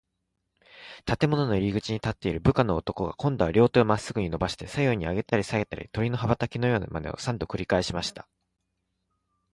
建物の入口に立っている部下の男が、こんどは両手をまっすぐにのばして、左右にあげたりさげたり、鳥の羽ばたきのようなまねを、三度くりかえしました。